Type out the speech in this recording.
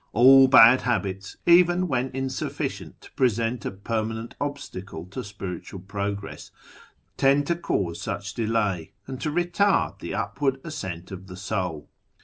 All bad habits, even when insuflicient to present a permanent obstacle to spiritual progress, tend to cause such delay, and to retard the upward ascent of the soul.